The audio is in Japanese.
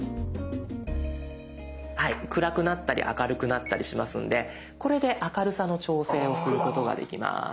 はい暗くなったり明るくなったりしますのでこれで明るさの調整をすることができます。